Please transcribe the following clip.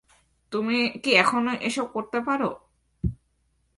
তুমি কি এখনো এসব করতে পারো?